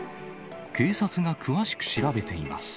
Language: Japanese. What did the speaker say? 警察が詳しく調べています。